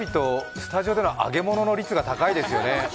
スタジオでの揚げ物の率が高いですよね？